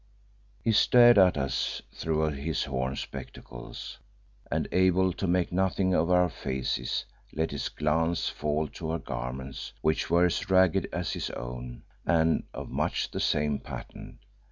He stared at us through his horn spectacles, and, able to make nothing of our faces, let his glance fall to our garments which were as ragged as his own, and of much the same pattern.